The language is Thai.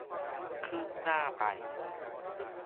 คืบหน้าไป